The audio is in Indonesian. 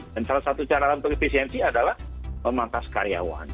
dan salah satu cara untuk efisiensi adalah memantas karyawan